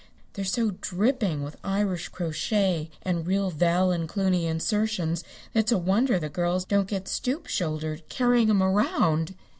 They're so dripping with Irish crochet and real Val and Cluny insertions that it's a wonder the girls don't get stoop shouldered carrying 'em around."